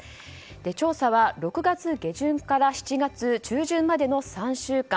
調査は６月下旬から７月中旬までの３週間。